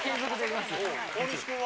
大西君は？